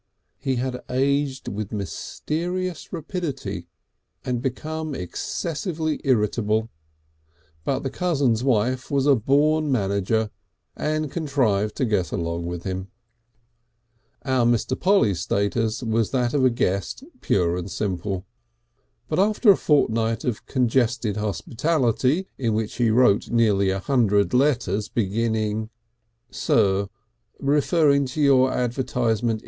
He had aged with mysterious rapidity and become excessively irritable, but the cousin's wife was a born manager, and contrived to get along with him. Our Mr. Polly's status was that of a guest pure and simple, but after a fortnight of congested hospitality in which he wrote nearly a hundred letters beginning: Sir: _Referring to your advt.